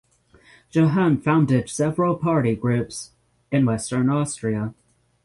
Johann founded several Party groups in western Austria.